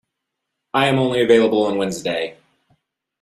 I am only available on Wednesday.